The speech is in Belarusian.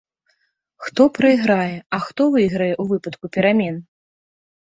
Хто прайграе, а хто выйграе ў выпадку перамен?